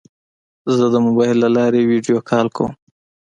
زه د موبایل له لارې ویدیو کال کوم.